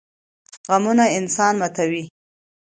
غمونه انسان ماتوي